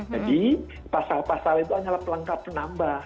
jadi pasal pasal itu adalah pelangkah penambah